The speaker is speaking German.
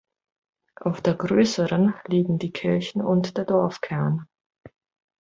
Auf der größeren liegen die Kirche und der Dorfkern.